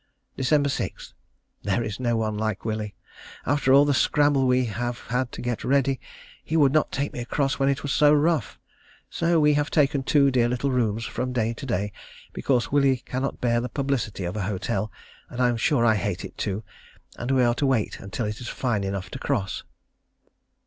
Dec. 6. There is no one like Willie. After all the scramble we have had to get ready, he would not take me across when it was so rough. So we have taken two dear little rooms, from day to day, because Willie cannot bear the publicity of an hotel, and I am sure I hate it too, and we are to wait till it is fine enough to cross.